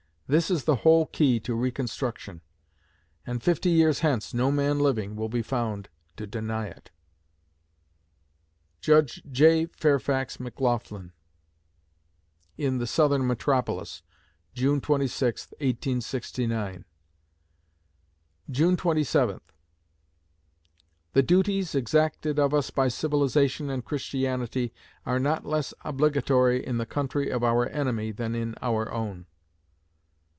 This is the whole key to Reconstruction; and fifty years hence no man living will be found to deny it. JUDGE J. FAIRFAX MCLAUGHLIN (In the "Southern Metropolis," June 26, 1869) June Twenty Seventh The duties exacted of us by civilization and Christianity are not less obligatory in the country of our enemy than in our own.